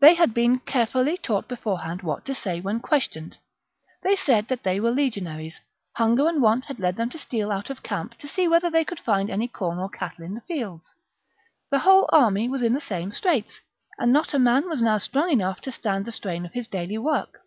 They had been carefully taught beforehand what to say when questioned. They said that they were legionaries : hunger and want had led them to steal out of camp to see whether they could find any corn or cattle in the fields ; the whole army was in the same straits, and not a man was now strong enough to stand the strain of his daily work.